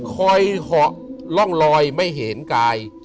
คอยเหาะร่องลอยไม่เห็นกาย